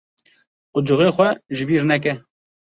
Qucixê xwe ji bîr neke.